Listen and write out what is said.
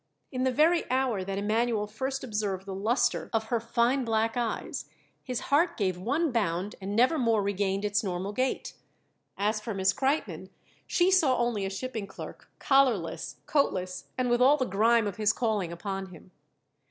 In the very hour that Emanuel first observed the luster of her fine black eyes his heart gave one bound and never more regained its normal gait. As for Miss Kreitmann, she saw only a shipping clerk, collarless, coatless and with all the grime of his calling upon him.